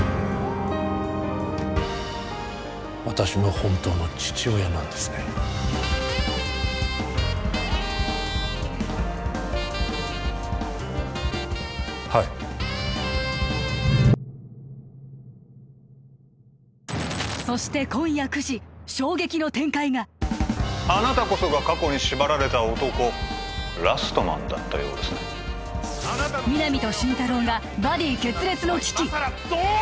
私の本当の父親なんですねはいそして今夜９時衝撃の展開があなたこそが過去に縛られた男ラストマンだったようですね皆実と心太朗がバディ決裂の危機